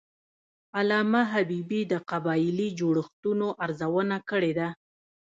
علامه حبیبي د قبایلي جوړښتونو ارزونه کړې ده.